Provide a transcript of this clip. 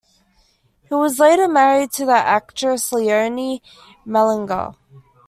He was later married to the actress Leonie Mellinger.